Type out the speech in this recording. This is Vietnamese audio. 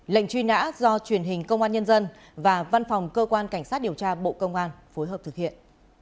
lệnh truy nã do truyền hình công an nhân dân và văn phòng cơ quan cảnh sát điều tra bộ công an phối hợp thực hiện